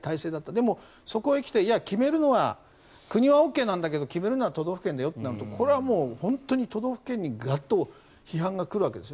でも、そこへ来て国はＯＫなんだけど決めるのは都道府県だよとなるとこれは本当に都道府県にガッと批判が来るわけです。